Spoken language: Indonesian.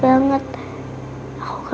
aku kangen banget sama bunda